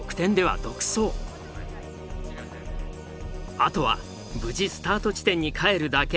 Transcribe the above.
あとは無事スタート地点に帰るだけ。